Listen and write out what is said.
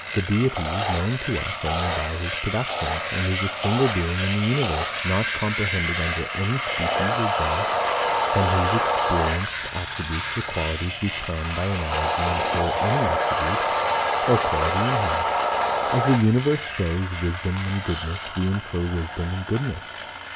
The Deity is known to us only by his productions, and is a single being in the universe, not comprehended under any species or genus, from whose experienced attributes or qualities, we can, by analogy, infer any attribute or quality in him. As the universe shews wisdom and goodness, we infer wisdom and goodness.